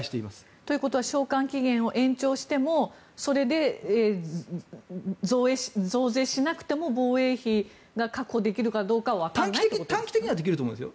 ということは償還期限を延長しても、それで増税しなくても防衛費が確保できるかはわからないということですか。